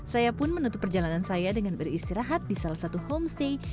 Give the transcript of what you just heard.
saya pun menutup perjalanan saya dengan beristirahat di salah satu homestay